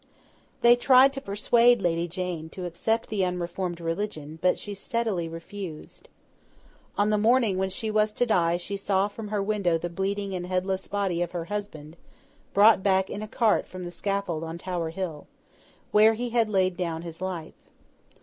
They tried to persuade Lady Jane to accept the unreformed religion; but she steadily refused. On the morning when she was to die, she saw from her window the bleeding and headless body of her husband brought back in a cart from the scaffold on Tower Hill where he had laid down his life.